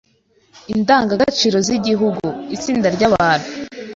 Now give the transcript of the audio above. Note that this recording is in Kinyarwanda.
indangagaciro z’igihugu: itsinda ry’abantu